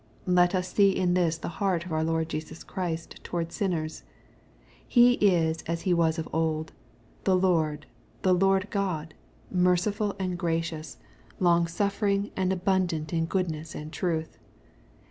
Let us see in this the heart of our Lord Jesus Christ towards sinners. He is as He was of old, " the Lord, the Lord G^d, merciful and gracious, longsuffering, T 164 EXPOSITOBT THOUGHTS. and abundant in goodness and truth."